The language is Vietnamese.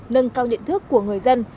nâng cao nhận thức của người dân